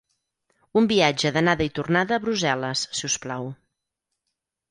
Un viatge d'anada i tornada a Brussel·les, si us plau.